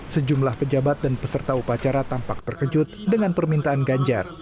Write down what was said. sejumlah pejabat dan peserta upacara tampak terkejut dengan permintaan ganjar